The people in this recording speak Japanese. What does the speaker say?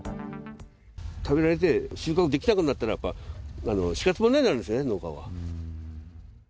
食べられて収穫できなくなったら、死活問題になるんですよね、農家は。